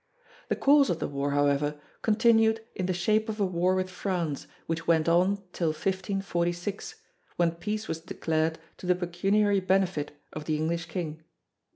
The cause of the war, however, continued in the shape of a war with France which went on till 1546 when peace was declared to the pecuniary benefit of the English King.